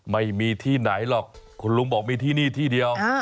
ไม่มีที่ไหนหรอกคุณลุงบอกมีที่นี่ที่เดียว